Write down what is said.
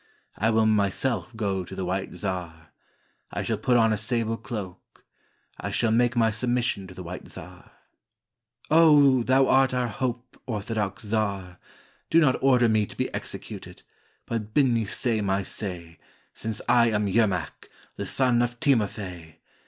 I will myself go to the White Czar, I shall put on a sable cloak, I shall make my submission to the White Czar." "Oh! thou art our hope, orthodox czar; Do not order me to be executed, but bid me say my say, Since I am Yermak, the son of Timofey